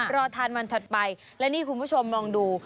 รอทานวันถัดไปและนี่คุณผู้ชมลองดู